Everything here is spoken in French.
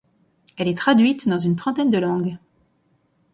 Elle est traduite dans une trentaine de langues.